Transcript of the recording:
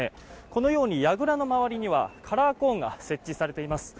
このように、やぐらの周りにはカラーコーンが設置されています。